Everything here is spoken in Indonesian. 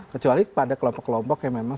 kecuali kepada kelompok kelompok yang memang